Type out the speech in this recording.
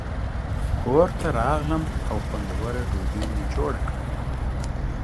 کور ته راغلم او خوندوره ډوډۍ مې جوړه کړه.